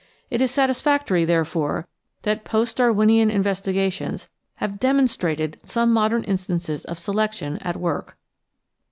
It is satisfactory, therefore, that post Darwinian investigations have demonstrated some modem instances of selection at work.